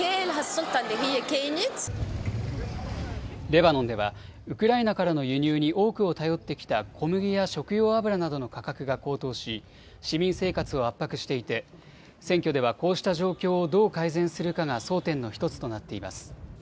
レバノンではウクライナからの輸入に多くを頼ってきた小麦や食用油などの価格が高騰し市民生活を圧迫していて選挙ではこうした状況をどう改善するかが争点の１つとなっています。